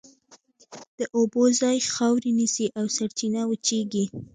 د اوبو ځای خاورې نیسي او سرچینه وچېږي.